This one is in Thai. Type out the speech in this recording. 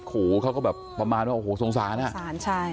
หูเขาก็แบบประมาณว่าโอ้โหสงสาร